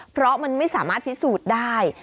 เพราะมันไม่สามารถพิสูจน์ได้